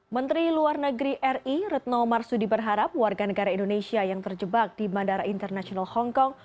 menteri luar negeri ri retno marsudi berharap warga negara indonesia yang terjebak di bandara internasional hongkong